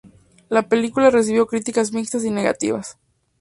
La película recibió críticas mixtas y negativas.